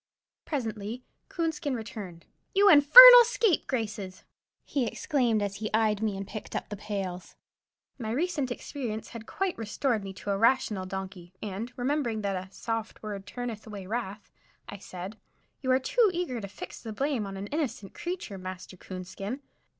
Presently Coonskin returned. "You infernal scapegraces!" he exclaimed, as he eyed me and picked up the pails. My recent experience had quite restored me to a rational donkey, and, remembering that "a soft word turneth away wrath," I said, "You are too eager to fix the blame on an innocent creature, Master Coonskin.